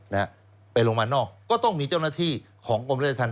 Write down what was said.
นะฮะไปโรงพยาบาลนอกก็ต้องมีเจ้าหน้าที่ของกรมราชธรรม